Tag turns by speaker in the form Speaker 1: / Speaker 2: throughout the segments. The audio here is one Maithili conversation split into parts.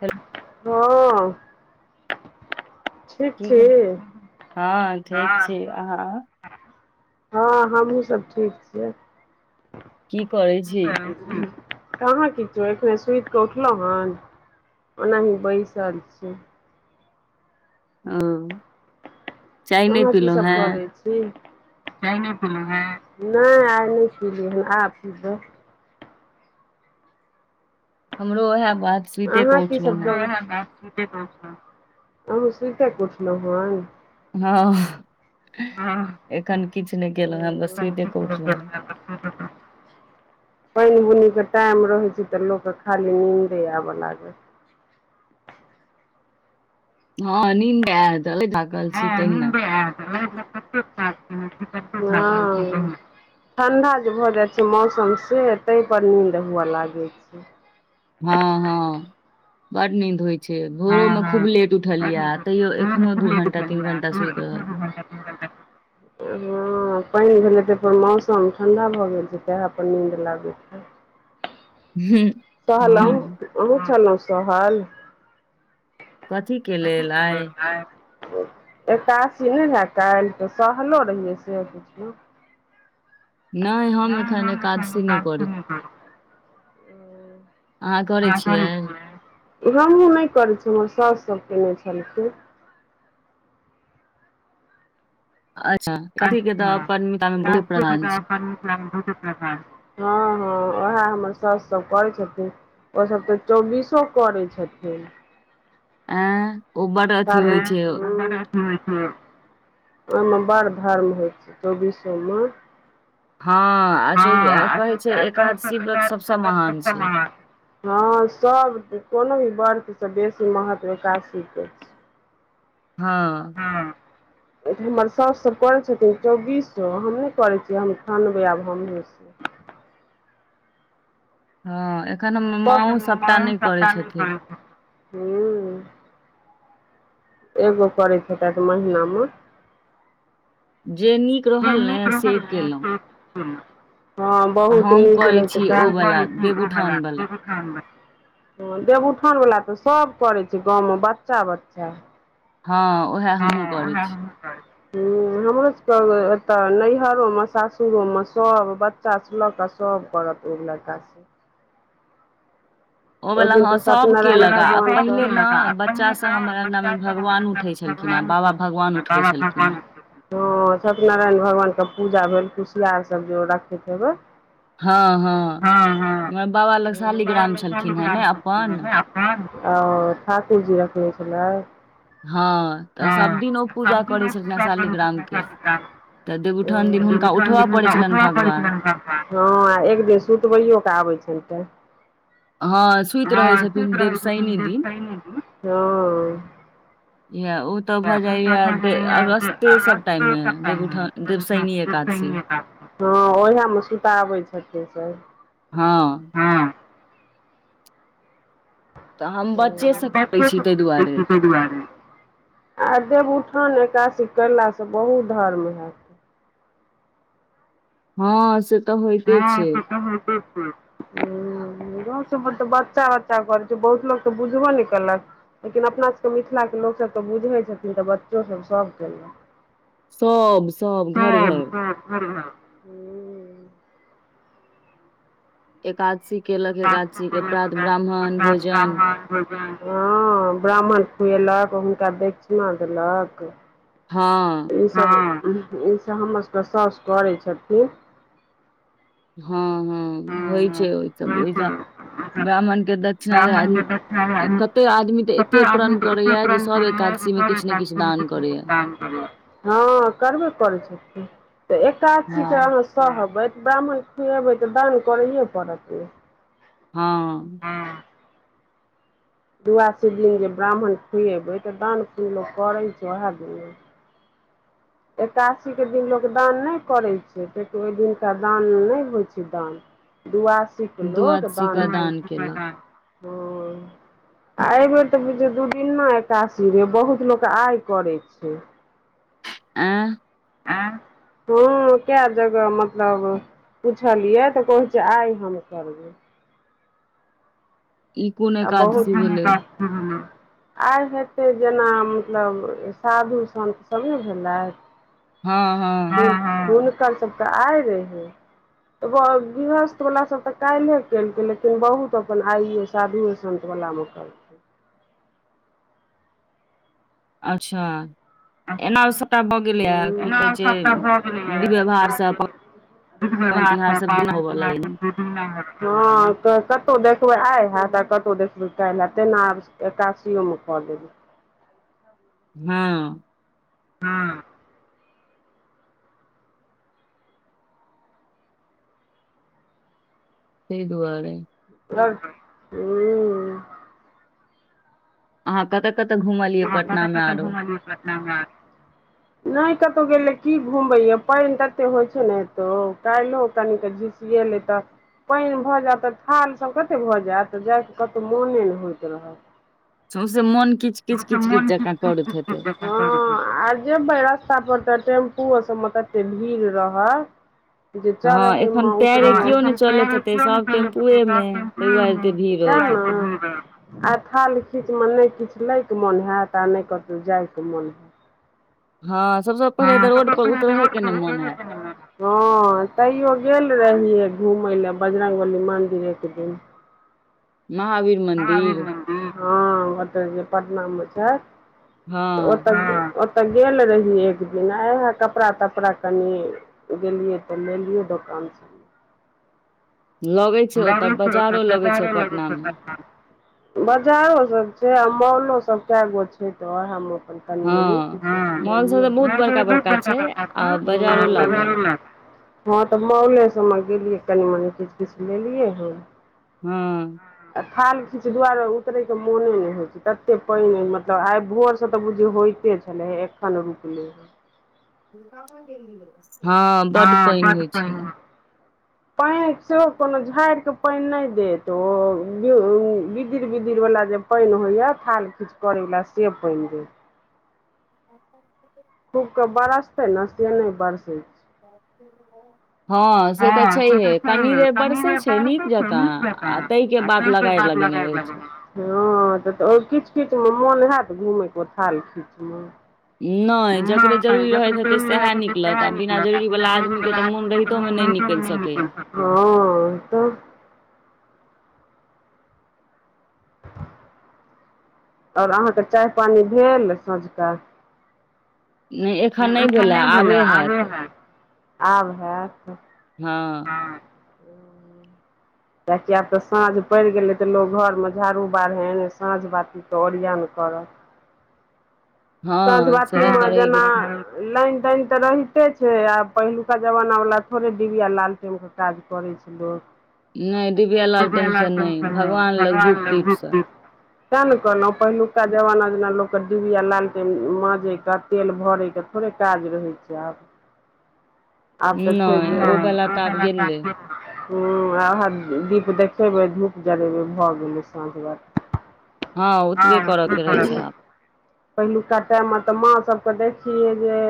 Speaker 1: ह।
Speaker 2: हँ। ठीक
Speaker 1: की
Speaker 2: छी।
Speaker 1: हँ ठीक
Speaker 2: हां
Speaker 1: छी अहाँ
Speaker 2: हँ हमहुूँ सब ठीक छियै
Speaker 1: की करै छी।
Speaker 2: कहाँ किछु एखने सुति कऽ उठलहुँ हेन। ओनाही बैसल छी।
Speaker 1: [unintelligible] चाय नहि
Speaker 2: अहाँ की
Speaker 1: पीलहुँ
Speaker 2: सभ
Speaker 1: हेँ
Speaker 2: करै छी। चाय नहि पिले हऽ नहि आइ नहि पिलिय हऽ आब पिबै
Speaker 1: हमरो उएह बात सुते
Speaker 2: अहाँ
Speaker 1: कऽ
Speaker 2: की सब
Speaker 1: उठलहुँ हेँ
Speaker 2: करय छी आहू सुतय कऽ उठलू हन
Speaker 1: हँ एखन किछु नहि केलहुँ हेँ बस सुइते कऽ उठलहुँ हेँ
Speaker 2: पाइन बुनी के टाइम रहैत छै तऽ लोकके खाली नींन्दे आबय लागल
Speaker 1: हँ निन्दे आयत [unintelligible]
Speaker 2: हँ निन्दे आयत [unintelligible] ठण्डा जे भऽ जाइ छै मौसम से तैअ पर नीन्द हुअए लागै छै
Speaker 1: हँ हँ बड नीद होए छैय भोरो
Speaker 2: हँ
Speaker 1: में
Speaker 2: हँ
Speaker 1: खूब लेट उठल
Speaker 2: बड नीक
Speaker 1: यऽ
Speaker 2: होय छै
Speaker 1: तैयो
Speaker 2: सुबह मे
Speaker 1: एखनो
Speaker 2: खूब
Speaker 1: दू
Speaker 2: लेट
Speaker 1: घंटा तीन
Speaker 2: उठलियै
Speaker 1: घंटा
Speaker 2: फेर
Speaker 1: सुति
Speaker 2: उठलौं
Speaker 1: रहल य
Speaker 2: दू घंटा तीन घंटा हँ पानि भेलै तऽ पर मौसम ठण्डा भऽ गेल छै तेहे पर नीन्द लागैत छै
Speaker 1: हू
Speaker 2: कहलहुँ अहुँ छलो सहल
Speaker 1: कथी के लेल आइ
Speaker 2: [unintelligible] एकासी नहि लए काल्हि तऽ सहलो रहियै से पुझलौ
Speaker 1: नहि हम एखन एकादशी नहि करै छी
Speaker 2: अहाँ करै छिये नहि हमँहू नहि करै छी हमर सास सब केने छलखिन
Speaker 1: अच्छा कथी के
Speaker 2: अच्छा
Speaker 1: तऽ अपन मिथिला मे बहुते प्रधान छै
Speaker 2: [unintelligible] हँ हँ उएह हमर सास सब करै छथिन ओ सब तऽ चौबीसो करे छथिन
Speaker 1: एअ उबर अथी
Speaker 2: साल
Speaker 1: होइ छै
Speaker 2: हूँ हूँ ओयमे बड़ धर्म होइत छै चौबीसोमऽ
Speaker 1: हँ आ जो कहे छै एकादशी व्रत सबसे महान छै
Speaker 2: हँ सब तऽ कहलो ने वर्त से बेसी महत्व एकादशीके छै
Speaker 1: हँ
Speaker 2: हमर साऊस सब करै छथिन चौबीसो हमहुँ करै छियै हम अठानबे आब हमहुँ
Speaker 1: हँ एखन हमर माँओ
Speaker 2: एखन
Speaker 1: सभटा नहि करै छथिन
Speaker 2: हू एगो करैत हैते महिनामे
Speaker 1: जे नीक
Speaker 2: जे
Speaker 1: रहल
Speaker 2: नीक
Speaker 1: नऽ से
Speaker 2: रहल ने
Speaker 1: केयलो
Speaker 2: से हँ बहुत
Speaker 1: हम
Speaker 2: नीक
Speaker 1: करै
Speaker 2: रहै छै
Speaker 1: छी ओ वला देवउठान वला
Speaker 2: [unintelligible] देवउठानवला तऽ सब करै छै गाँवमे बच्चा बच्चा
Speaker 1: हँ उएह हमहुँ करै छी
Speaker 2: हू हमरो सबके एतऽ नैहरो मे सासुरो मे सब ब बच्चा सँ लऽ कऽ सब करत ओ [unintelligible] सब ओ
Speaker 1: वला
Speaker 2: दिन
Speaker 1: हँ
Speaker 2: त
Speaker 1: सभ
Speaker 2: सत्यनारायण
Speaker 1: केलक आ
Speaker 2: भगवान
Speaker 1: पहिले ने
Speaker 2: कऽ
Speaker 1: बच्चा से हमर अंगना मे भगवान उठै
Speaker 2: [unintelligible]
Speaker 1: छलखिन हे
Speaker 2: भगवान
Speaker 1: बाबा भगवान उठबै
Speaker 2: बाबा
Speaker 1: छलखिन हे
Speaker 2: भगवान छथि हँ सत्यनारायण भगवानके पूजा भेल कुशियार सब जे ओ रखैत हेबै
Speaker 1: हँ हँ हमर बाबा लग शालीग्राम छलखिन हे ने अपन
Speaker 2: [unintelligible] आओ ठाकुर जी रखने छलाह
Speaker 1: हँ तऽ
Speaker 2: हँ
Speaker 1: सभदिन
Speaker 2: [inaudible]
Speaker 1: ओ
Speaker 2: [inaudible]
Speaker 1: पूजा
Speaker 2: हँ
Speaker 1: करै छलखिन हेँ शालिग्राम के तऽ देवउठान दिन हुनका उठबय पड़ै छलनि भगवान
Speaker 2: आ एक दिन सुतबैओ कऽ आबै छैन टे
Speaker 1: हँ सु
Speaker 2: हँ सुइत रहै छथिन [unintelligible]
Speaker 1: इएह ओ तऽ
Speaker 2: [inaudible]
Speaker 1: भऽ जाइए दे
Speaker 2: [inaudible]
Speaker 1: अगस्ते सब टाइम मे
Speaker 2: हँ
Speaker 1: देवउठान देवशनि
Speaker 2: ओएहामे
Speaker 1: एकादशी
Speaker 2: सुताबै छथिन सभ
Speaker 1: हँ
Speaker 2: हँ
Speaker 1: तऽ हम
Speaker 2: [inaudible]
Speaker 1: बच्चेसँ करै छी ताहि दुआरे
Speaker 2: आ देवउठान एकादसी कयला स बहुत धर्म हैत
Speaker 1: हँ से तऽ होइते
Speaker 2: हँ
Speaker 1: छै
Speaker 2: से तऽ होइते ह छै गाँव सब पर तऽ बच्चा बच्चा करै छै बहुत लोक तऽ बुझबो ने केलक लेकिन अपना सबके मिथिलाके लोकसभ तऽ बुझै छथिन तऽ बच्चो सब सभ केलक
Speaker 1: सब सब घर घर
Speaker 2: [inaudible]
Speaker 1: एकादशी केलक एकादशी के प्रात ब्राह्मण भोजन
Speaker 2: हँ ब्राह्मण खुएलक हुनका दक्षिणा देलक
Speaker 1: हँ
Speaker 2: हँ ई सब हमर सबके सउस करै छथिन
Speaker 1: हँ हँ होइ छै ओहि त ओहि [inaudible] ब्राह्मण के दक्षिणा
Speaker 2: ब्राह्मण के
Speaker 1: [unintelligible] इ
Speaker 2: दक्षिणा
Speaker 1: कते आदमी तऽ
Speaker 2: कते
Speaker 1: एतए
Speaker 2: आदमी
Speaker 1: प्रण
Speaker 2: के एते
Speaker 1: करैया जे
Speaker 2: प्रण
Speaker 1: सभ एक काज
Speaker 2: [inaudible] हँ करबे करै छथिन तऽ एकादशीके
Speaker 1: हँ
Speaker 2: अहाँ सहबै ब्राह्मण खुएबै तऽ दान करैए पड़त नै
Speaker 1: हँ
Speaker 2: हँ दुआसी दिन जे ब्राह्मण खुएबै तऽ दानु पुन लोग करै छै ओएह दिन न एकासीके दिन लोक दान नय करैय छै कियाकी ओहि दिनका दान नइ होइ छै दान दुआसी क लोक
Speaker 1: द्वादशी क
Speaker 2: दान‌
Speaker 1: दान केलक
Speaker 2: [inaudible] आ अय बेर तऽ बुझियौ दू दिनना एकासी रहे बहुत लोक आय करे छै
Speaker 1: [inaudible] आंह
Speaker 2: [inaudible] कै जगह मतलब पुछलियै तऽ कहै छै आइ हम करबै
Speaker 1: ई कोन
Speaker 2: आ बहुत
Speaker 1: एकादशी भेलै
Speaker 2: [inaudible] आइ हेतै जेना मतलब साधु संत सभ ने भेलय
Speaker 1: हँ हँ
Speaker 2: हँ हुनकर सब आय रहे वो गृहस्थ वाला सब तऽ काल्हे केलके लेकिन बहुत अपन आईये साधुएसन्तवला म करबै
Speaker 1: अच्छा एना ओ सभटा भऽ गेलैए की
Speaker 2: एना
Speaker 1: कहै छै
Speaker 2: सभटा भऽ
Speaker 1: विधव्यवहारसँ आ
Speaker 2: गेलैए दुधमे भात पर पाबनि तिहार
Speaker 1: [unintelligible]
Speaker 2: [inaudible] हँ कतहु देखबै आइ हेत आ कतहु देखबै काल्ह हेय तेना एकासियो मे क देबै
Speaker 1: हँ
Speaker 2: हँ
Speaker 1: तै दुआरे
Speaker 2: हूँ
Speaker 1: अहाँ कत कत घुमलियै पटना मे आरो
Speaker 2: नगा नय कतौ गेले की घुमबे या पानि तते होय छै ने एतौ काल्हिो कनिक झीसी एले त पानि भ जायत त थाल सब कते भ जायत जाय के कतो मोने ने होइत रहत
Speaker 1: सौसे मोन किच किच
Speaker 2: सबके
Speaker 1: किच किच जकाँ करैत हेतै
Speaker 2: आ जेबै रास्ता पर तऽ टेम्पू सब मे तते भीड़ रहत जे
Speaker 1: हँ
Speaker 2: चरहय मे
Speaker 1: एखन पैरे
Speaker 2: उतरय
Speaker 1: कियो
Speaker 2: मे
Speaker 1: नहि
Speaker 2: [unintelligible]
Speaker 1: चलैत हेतै सभ टेम्पुए मे ताहि दुआरे एते भीड़
Speaker 2: सैह
Speaker 1: रहैत हेतै
Speaker 2: न आ थाल खीचमे नहि किछु लैके मोन हैत आ नहि कतहु जायके मोन हैत
Speaker 1: हँ सबसँ पहिले
Speaker 2: हँ
Speaker 1: तऽ
Speaker 2: त
Speaker 1: रोड पर उतरहे के ने मोन हैत
Speaker 2: [unintelligible] हँ तैयो गेल रहियै घुमय लए बजरंगबली मन्दिर एक दिन
Speaker 1: महावीर
Speaker 2: महावीर
Speaker 1: मन्दिर
Speaker 2: हँ ओत जे पटना मे छै
Speaker 1: हँ
Speaker 2: ओत तऽ गेल रहि एक दिन इएह कपड़ा तपड़ा कनि गेलियै तऽ लेलियै दोकानसँ
Speaker 1: लगै छै ओतऽ
Speaker 2: बरस
Speaker 1: बाजारो लगै छै पटना मे
Speaker 2: हो [unintelligible] बाजारो सब छै आ मौलो सब कए गो छै त ओहे मे कनी मनी
Speaker 1: हँ मॉल सब तऽ बहुत बड़का बड़का छै आ बाजारो लागल
Speaker 2: हँ त मोले सभमे गेलियै कनि मनि किछु किछु लेलियै हन
Speaker 1: हूँ
Speaker 2: आ थाल खीच दुआरे उतरैके मोने नहि होइ छै ततेक पानि अ मतलब आइ भोरसँ तऽ बुझियो होइत छले एखन रुकलै हन
Speaker 1: हँ बड पानि होइ छै
Speaker 2: पानि सेहो कोनो झाड़ कऽ पानि नहि देत ओ बिदिर बिदिरवला जे पानि होइए थाल खीच करैवला से पानि होय छै
Speaker 1: [inaudible]
Speaker 2: खूब के बरसतै ने से नहि बरसै छै
Speaker 1: से तऽ
Speaker 2: हँ से त
Speaker 1: छैहे
Speaker 2: छैे
Speaker 1: कनी
Speaker 2: न
Speaker 1: देर
Speaker 2: तनी
Speaker 1: बरसै
Speaker 2: जे
Speaker 1: छै नीक
Speaker 2: पड़ते ना
Speaker 1: जकाँ
Speaker 2: नीक जेका
Speaker 1: आ ताहि के
Speaker 2: ह तै के
Speaker 1: लगारि
Speaker 2: बाद
Speaker 1: लगेने
Speaker 2: लड़े
Speaker 1: रहै छै
Speaker 2: लगबै हँ त किच किच मे मोन होयत घुमै के थाल खीच मे
Speaker 1: नहि जकरे
Speaker 2: नय
Speaker 1: जरूरी रहैत
Speaker 2: जतने
Speaker 1: हेतै
Speaker 2: बेौरी रहै
Speaker 1: सएह
Speaker 2: छै से
Speaker 1: निकलत
Speaker 2: सएह
Speaker 1: आ बिना
Speaker 2: निकलत आ
Speaker 1: जरूरीवला
Speaker 2: पूरा
Speaker 1: आदमीके तऽ
Speaker 2: दरीवला आ
Speaker 1: मोन
Speaker 2: ओहन
Speaker 1: रहितोमे नहि
Speaker 2: हालतों में
Speaker 1: निकलि
Speaker 2: नए
Speaker 1: सकैए
Speaker 2: निकल सकय हँ तब आओर अहाँके चाय पानि भेल सझुका
Speaker 1: नहि एखन
Speaker 2: नय
Speaker 1: नहि
Speaker 2: अखन
Speaker 1: भेलए
Speaker 2: नय भेलै आबे हैत आब हैत
Speaker 1: हँ
Speaker 2: कियेकि आब त साँझ पड़ि गेलै त लोग घरमे झाड़ू बारहैन साँझ बाती त ओरियान करत
Speaker 1: [inaudible]
Speaker 2: साँझ
Speaker 1: हँ से
Speaker 2: बाती
Speaker 1: तऽ
Speaker 2: मऽ
Speaker 1: करैके
Speaker 2: जेना
Speaker 1: छै
Speaker 2: लाइन तइन तऽ रहिते छै आ पहिलुका जमाना वाल थोड़े डिबिया लालटेम कऽ काज करे छैय लोक
Speaker 1: नहि डिबिया लालटेमसँ नहि
Speaker 2: [unintelligible]
Speaker 1: लग धूप
Speaker 2: भगवान लऽ धुप
Speaker 1: दीपसँ
Speaker 2: दिप तैँ नऽ कहलहुँ पहिलुका जमाना जेना लोक कऽ डिबिया लालट माँजय कऽ तेल भरैय कऽ थोड़े काज रहै छै आब
Speaker 1: [inaudible]
Speaker 2: आब तऽ जे
Speaker 1: नहि ओ
Speaker 2: [unintelligible]
Speaker 1: वला तऽ आब गेलै
Speaker 2: हुँ ओहै दीप देखेबै धूप जरेबै भऽ गेलै साँझ बा हँ
Speaker 1: ओतबे
Speaker 2: ओ
Speaker 1: करयके
Speaker 2: [unintelligible]
Speaker 1: रहै छै
Speaker 2: सब
Speaker 1: आब
Speaker 2: पहिलुका टाइम मऽ तऽ माँ सभ कऽ देखियै जे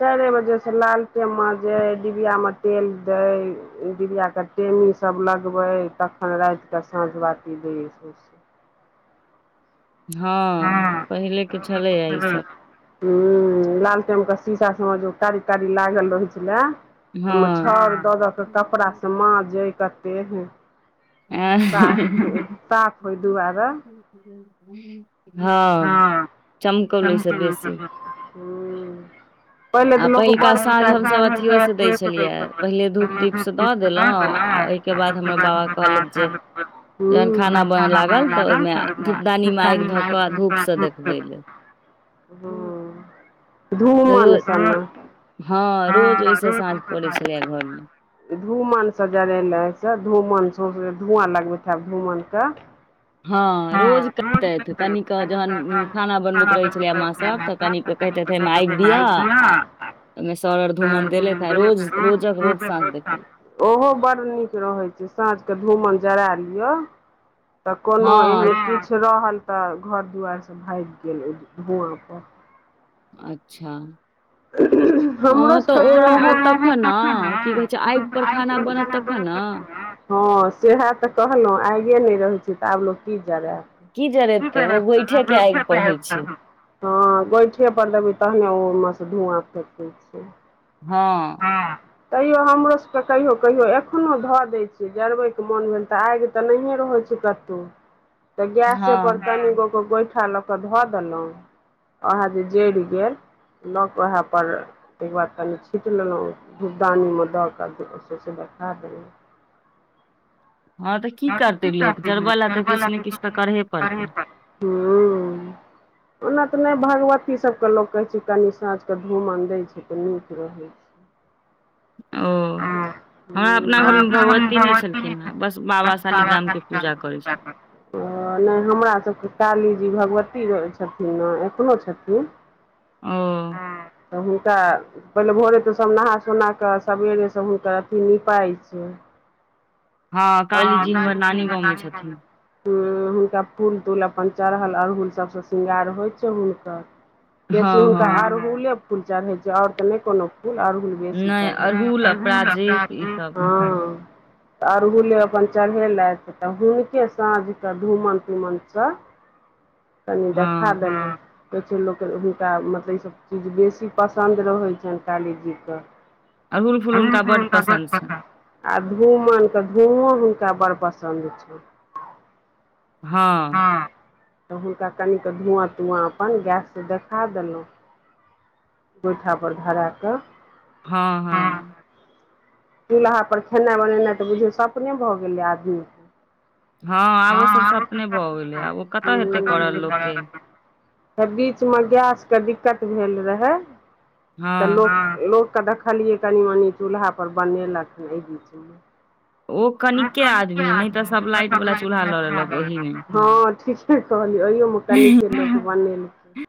Speaker 2: चाइरे बजे सँ लालटे माजै डिबिया मऽ तेल दै ओय डिबिया टेमी सब लगबै तखन राइत कऽ साँझ बााती दै सौसे
Speaker 1: हँ पहिले केँ छलै य ईसभ
Speaker 2: हुँ लालटेम कऽ शीशा सम मऽ जो कारी कारी लागल रहै छलै ओय मऽ
Speaker 1: हँ
Speaker 2: छाउर दऽ दऽ कऽ कपड़ा सँ माजैय कते सा
Speaker 1: हँ
Speaker 2: साफ होय दुआरऽ
Speaker 1: [inaudible] हँ चमकौल ओय
Speaker 2: ह्म
Speaker 1: सँ बेसी
Speaker 2: पहिले तऽ
Speaker 1: आ
Speaker 2: लोक
Speaker 1: पहिलका
Speaker 2: बड़ ह्म
Speaker 1: साँझ हमसभ अथियो सँ दै छलियै यऽ पहिले धूप दीपसँ दऽ देलहुँ आ ओहि केँ बाद हमरा बाबा कहलथि जे जहन खाना बनऽ लागल तऽ ओहिमे धूपदानी मऽ आइग धऽ कऽ धूप सँ देखबै लऽ
Speaker 2: हँ धूमान
Speaker 1: रोज
Speaker 2: सन
Speaker 1: हँ रोज ओहिसँ साँझ पड़ै छलैए घरमे
Speaker 2: [unintelligible] धूमन से जरेेनै सँ धूमन सौसो धुँआ लगबैत हेब धूमन सँ।
Speaker 1: हाँ रोज करतैथ कनि कऽ जहन खाना बनबैत रहै छलै माँ सभ तऽ कनिकेँ कहततैथ एय मऽ आइग दिअ ओइ मे सरर धूमन देलेथ आ रोज रोज कऽ रोज साँझ देखैत
Speaker 2: ओहो बड़ निक रहै छैय सांझ केँ धूमन जरा लिय। तऽ कोनो
Speaker 1: हँ
Speaker 2: ऐहन किछ रहल तऽ घर दुआर सँ भाइग गेल ओय धुँआ पर।
Speaker 1: अच्छऽ
Speaker 2: [inaudible] हमरो सब कऽ
Speaker 1: रहत
Speaker 2: टाइम अइ अहाँ ऐबै तखन
Speaker 1: ने की
Speaker 2: नऽ
Speaker 1: कहै छै
Speaker 2: ओतऽ
Speaker 1: आगि
Speaker 2: सँ
Speaker 1: पर
Speaker 2: आइब कऽ खाना बनत
Speaker 1: ने
Speaker 2: तखन नऽ। हँ सेहै तऽ कहलो आइगे नै रहै छैय तऽ आब लोग की जरैब। की
Speaker 1: जरेतै ओ
Speaker 2: करब
Speaker 1: गोइठे के आगि पर होइ छै
Speaker 2: तऽ [unintelligible] हँ गोइठे पर देबै तहने ओइ मऽ सँ धुआँ फेेके छै
Speaker 1: हँ।
Speaker 2: तेयो हमरो सब कऽ कहियो कहियो एखनो धऽ देय छियै जरबै कऽ मौन भेल तऽ आइग। तऽ नहिये रहै छैय कतौ।
Speaker 1: [inaudible]
Speaker 2: तऽ गैसे पर
Speaker 1: हँ
Speaker 2: कनि गो कऽ गौइठा लऽ कऽ धऽ देलउ ओहै जे जैर गेल। लऽ कऽ ओहै पर। ताहि केँ बाद कनि छीट लेलहुँ धुपदानी मऽ दऽ कऽ सोसे देखाए देलहुँ
Speaker 1: हाँ तऽ की करते लोक जड़बे लऽ तऽ किछ नै किछ तऽ कर हे पड़ते
Speaker 2: हुंअअ ओना तऽ नै भगवती सब के लोक कहे छैय कनि सांझ के धुंमन देय छैय तऽ निक रहे
Speaker 1: अओ हाँ अपना घर मे भगवती नै छेलखिन हे बस बाबा शालिग्राम के पूजा करे छेलखिन
Speaker 2: अऽ नय हमरा सबके कालीजी भगबती घ मे छैति नऽ अखनो छैति
Speaker 1: अओ
Speaker 2: तऽ हुनका पहले भौरे तऽ सब नहा सोना कऽ सबेरे से हुनकर अथी निपाए छैय
Speaker 1: हँ कालीजी हमर नानी गाँव मे छेथिन
Speaker 2: हूं हुनका फूल तूल अपन चरहल अड़हुल सब से श्रृंगार होइ छैय हुनकर [unintelligible]
Speaker 1: हँ हँ
Speaker 2: अड़हुले फूल चढ़़ै छैय और ते नइ कोनो फूल अड़हु बेसी
Speaker 1: नहि
Speaker 2: चढ़य छै हाँ अड़हुल आ
Speaker 1: अपराजित
Speaker 2: [inaudible]
Speaker 1: ई सब
Speaker 2: तऽ अड़हुले अपन चढ़ेलेयथ तऽ हुनके सांझ के धूंमन तूंमन स
Speaker 1: [inaudible]
Speaker 2: कनी देखा द
Speaker 1: हँ
Speaker 2: कुछ लोक क मतलब इ सब चीज बेसी पसन्द रहै छन कालीजी कऽ
Speaker 1: अड़हुल फूल हुनका
Speaker 2: [unintelligible] उनका बड्ड
Speaker 1: पसन्द छनि
Speaker 2: पता आब धूंमनक धूंमनो हुनका बड़ पसन्द छेन
Speaker 1: हाँ
Speaker 2: तऽ हुनका कनिक धुंआ तुंआ अपन गैस से खा देलउ गौठा पर धरा कऽ
Speaker 1: हाँ हाँ
Speaker 2: चूलहा पर खेनै बनेना तऽ बुझियो सपने भऽ गेले आदमी
Speaker 1: हाँ आब ओ सब सपने भऽ गेले आब ओ कतह हेते करल लोक के
Speaker 2: त बीच मे गैस के दिकत भेल रहे
Speaker 1: हँ
Speaker 2: त हाँ लोक लोक तऽ देखलिये कनि मनी चूलहा पर बनेलख हन अइ बीच में
Speaker 1: ओ
Speaker 2: लोक कनिके
Speaker 1: आदमी नहि तऽ सब
Speaker 2: [inaudible]
Speaker 1: लाइट वाला चूल्हा लऽ लेलक ओहि मे
Speaker 2: हँ ठीके कहलिय अहियोमे कनिक बनेलके